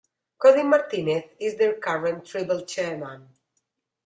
Cody Martinez is their current tribal chairman.